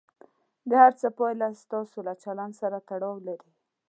د هر څه پایله ستاسو له چلند سره تړاو لري.